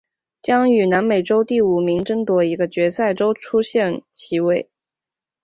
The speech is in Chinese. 将与南美洲第五名争夺一个决赛周出线席位。